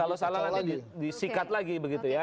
kalau salah nanti disikat lagi begitu ya